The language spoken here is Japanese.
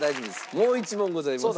もう１問ございます。